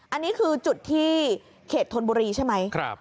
อันนี้คือจุดที่เขตธนบุรีใช่ไหม